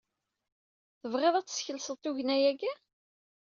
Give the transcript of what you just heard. Tebɣiḍ ad teskelseḍ tugna-agi?